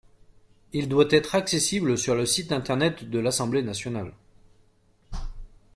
Il doit être accessible sur le site internet de l’Assemblée nationale.